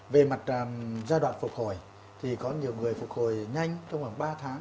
về mặt giai đoạn phục hồi thì có nhiều người phục hồi nhanh trong khoảng ba tháng